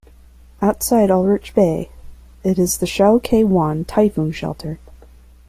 Outside Aldrich Bay, it is the Shau Kei Wan Typhoon Shelter.